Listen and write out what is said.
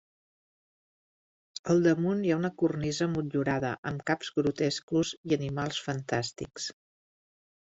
Al damunt hi ha una cornisa motllurada amb caps grotescos i animals fantàstics.